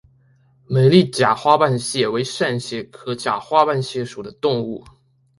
美丽假花瓣蟹为扇蟹科假花瓣蟹属的动物。